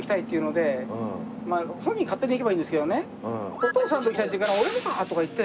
「お父さんと行きたい」って言うから「俺もか！」とか言って。